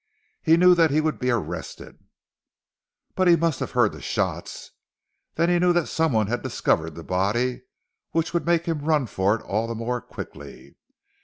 He knew that he would be arrested." "But he must have heard the shots?" "Then he knew that someone had discovered the body which would make him run for it all the more quickly.